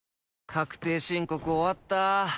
確定申告終わった。